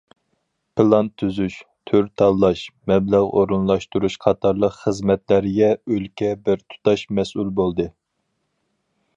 پىلان تۈزۈش، تۈر تاللاش، مەبلەغ ئورۇنلاشتۇرۇش قاتارلىق خىزمەتلەرگە ئۆلكە بىر تۇتاش مەسئۇل بولدى.